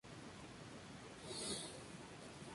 El lino nativo en flor es la "cimera" de la ciudad de Auckland.